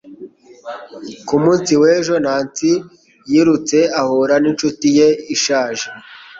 Ku munsi w'ejo Nancy yirutse ahura n'inshuti ye ishaje